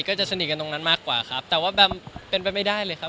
ก็จะสนิทกันตรงนั้นมากกว่าครับแต่ว่าแบมเป็นไปไม่ได้เลยครับ